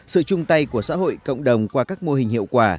sự chung tay của xã hội cộng đồng qua các mô hình hiệu quả